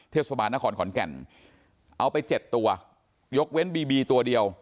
เทศบาลนครขอนแก่นเอาไปเจ็ดตัวยกเว้นบีบีตัวเดียว